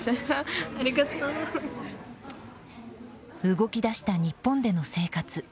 動き出した日本での生活。